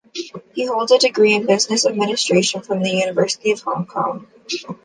He holds a degree in Business Administration from the University of Hong Kong.